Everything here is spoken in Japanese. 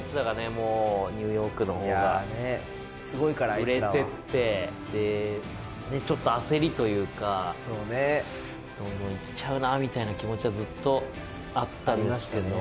もうニューヨークの方が売れてってでちょっと焦りというかそうねどんどんいっちゃうなーみたいな気持ちはずっとあったんですけど